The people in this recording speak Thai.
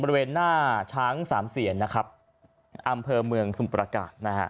บริเวณหน้าช้างสามเสียนอำเภอเมืองสมุทรประการ